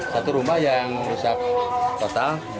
satu rumah yang rusak total